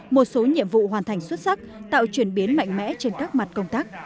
một số nhiệm vụ hoàn thành xuất sắc tạo chuyển biến mạnh mẽ trên các mặt công tác